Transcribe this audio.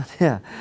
à thế à